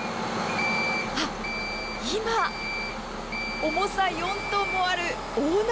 今、重さ４トンもある大鍋